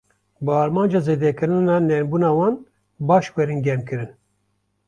Bi armanca zêdekirina nermbûna wan, baş werin germkirin.